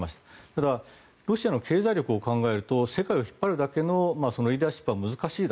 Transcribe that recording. ただ、ロシアの経済力を考えると世界を引っ張るだけのリーダーシップは難しいと。